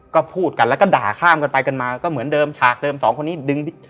ก็พูดกันแล้วก็ด่าข้ามกันไปกันมาก็เหมือนเดิมฉากเดิมสองคนนี้ดึง